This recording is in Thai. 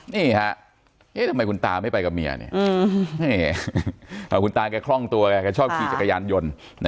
นี่ฮะเอ๊ะทำไมคุณตาไม่ไปกับเมียเนี่ยคุณตาแกคล่องตัวไงแกชอบขี่จักรยานยนต์